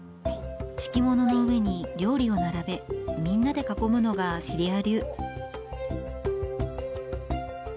敷物の上に料理を並べみんなで囲むのが、シリア流。